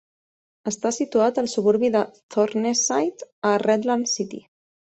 Està situat al suburbi de Thorneside a Redland City.